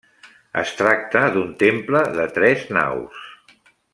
Es tracta d'un temple de tres naus.